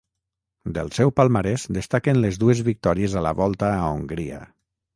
Del seu palmarès destaquen les dues victòries a la Volta a Hongria.